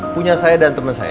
punya saya dan teman saya